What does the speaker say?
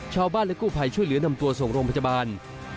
ชาวบ้านและกู้ภัยช่วยเหลือนำตัวส่งโรงพยาบาล